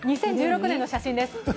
２０１６年の写真です。